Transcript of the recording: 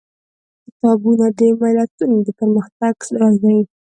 کتابونه د ملتونو د پرمختګ راز دي.